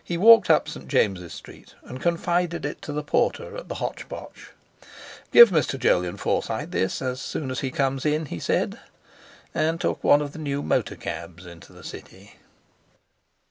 —S. F." He walked up St. James's Street and confided it to the porter at the Hotch Potch. "Give Mr. Jolyon Forsyte this as soon as he comes in," he said, and took one of the new motor cabs into the City....